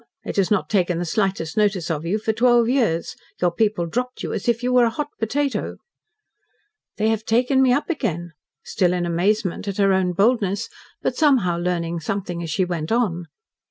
It has not taken the slightest notice of you for twelve years. Your people dropped you as if you were a hot potato." "They have taken me up again." Still in amazement at her own boldness, but somehow learning something as she went on.